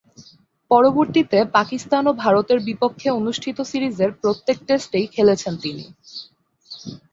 পরবর্তীতে পাকিস্তান ও ভারতের বিপক্ষে অনুষ্ঠিত সিরিজের প্রত্যেক টেস্টেই খেলেছেন তিনি।